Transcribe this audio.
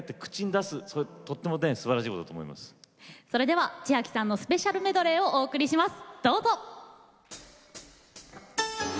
それでは千秋さんのスペシャルメドレーをお送りいたします。